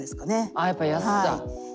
あやっぱ「やすさ」。